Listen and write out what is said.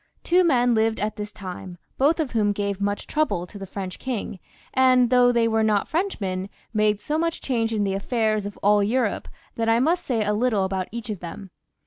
Two men lived at that time, both of whom gave much trouble to the French king, and, though they were not Frenchmen, made so much change in the affairs of all Europe, that I must say a little about each of them.